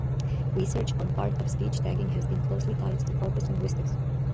Research on part-of-speech tagging has been closely tied to corpus linguistics.